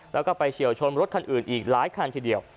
แล้วก็ไปเฉียวชนรถคันอื่นอีกหลายคันทีเดียว